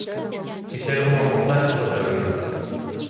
Fixeron unha montaxe sobre a vila.